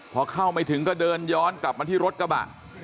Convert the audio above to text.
พอเข้าไม่ถึงก็เดินย้อนกลับมาที่รถกระบะ